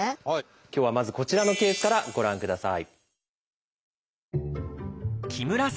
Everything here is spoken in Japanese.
今日はまずこちらのケースからご覧ください。